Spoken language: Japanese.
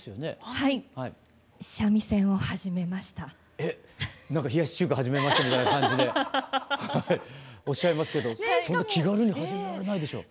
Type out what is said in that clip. えっ何か「冷やし中華始めました」みたいな感じでおっしゃいますけどそんな気軽に始められないでしょう？